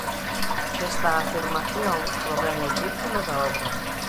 Desta afirmación provén o título da obra.